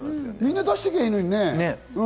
みんな出していきゃいいのにね。